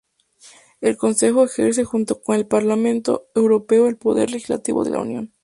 El Consejo ejerce junto con el Parlamento Europeo el poder legislativo de la Unión.